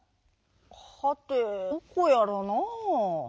はてどこやらなあ。